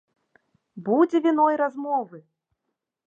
Будзе віно і размовы!